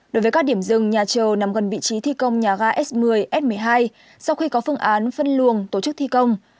đối với các điểm rừng nhà trờ nằm gần vị trí thi công nhà ga s một mươi s một mươi hai sau khi có phương án phân luồng tổ chức thi công